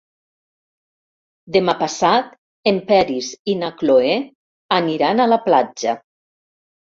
Demà passat en Peris i na Cloè aniran a la platja.